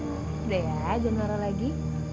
udah ya jangan marah lagi